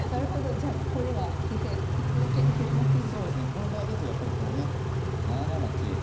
ここの場合だとやっぱりこのね７七桂